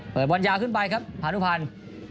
เปิดบอลยาวขึ้นไปครับพานุพันธ์